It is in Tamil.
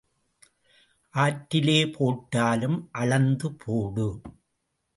ஆற்றிலே போட்டாலும் அளந்து போடு.